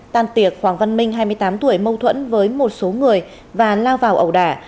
tan tiệc hoàng văn minh hai mươi tám tuổi mâu thuẫn với một số người và lao vào ẩu đả